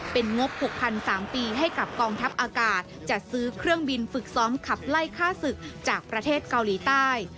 เป็นงบ๖๓ปีให้กับกองทัพอากาศจัดซื้อเครื่องบินฝึกซ้อมขับไล่ฆ่าศึกจากประเทศเกาหลีใต้